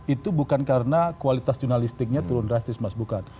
itu bukan karena kualitas jurnalistiknya turun drastis mas bukan